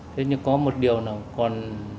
thế nhưng có một điều là còn